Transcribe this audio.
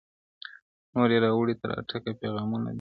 نوي یې راوړي تر اټکه پیغامونه دي-